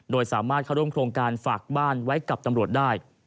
โดยสามารถเข้าร่วมโครงการฝากบ้านไว้กับตำรวจได้